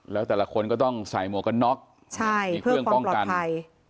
แล้วแต่ละคนก็ต้องใส่หมวกกันน็อกใช่มีเครื่องป้องกันใช่